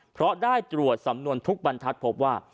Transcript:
เพราะได้ตรวจสำนวนทุกบรรทัศน์พบว่า